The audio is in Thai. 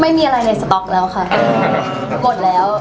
ไม่มีอะไรในสต๊อกแล้วค่ะกดแล้ว